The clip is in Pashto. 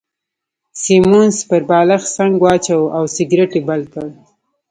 سیمونز پر بالښت څنګ واچاوه او سګرېټ يې بل کړ.